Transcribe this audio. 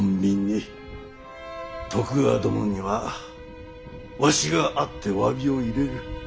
徳川殿にはわしが会って詫びを入れる。